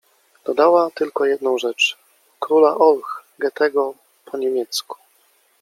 Dodała: — Tylko jedną rzecz: „Króla Olch” Goethego po nie miecku.